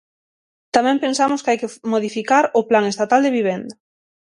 Tamén pensamos que hai que modificar o Plan estatal de vivenda.